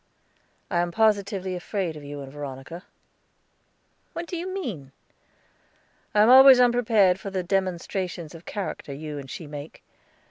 I am positively afraid of you and Veronica." "What do you mean?" "I am always unprepared for the demonstrations of character you and she make.